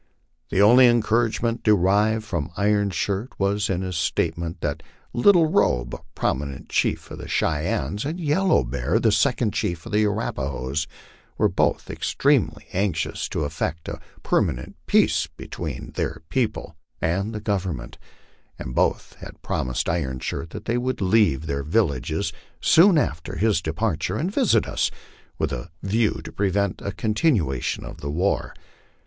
The only encouragement derived from Iron Shirt was in his statement that; Little Robe, a prominent chief of the Cheyennes, and Yellow Bear, the gecond chief of the Arapahoes, were both extremely anxious to effect a per manent peace between their people and the Government, and both had prom feed Iron Shirt that they would leave their villages soon after his depart ure and visit us, with a view to prevent a continuation of the war.